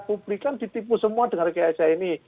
publik kan ditipu semua dengan rekayasa ini